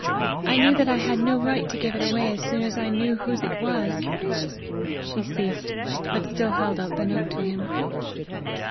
I knew that I had no right to give it away as soon as I knew whose it was." She ceased, but still held out the note to him.